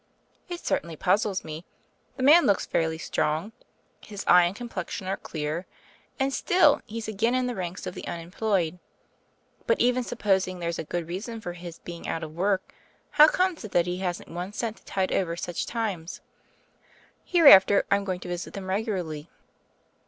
"It certainly puzzles me. The man looks fairly strong; nis eye and complexion are clear; and still he s again in the ranks of the unem ployed. But even supposing there's a good reason for his being out of work, how comes it that he hasn't one cent to tide over such times? Hereafter, I'm going to visit them regularly."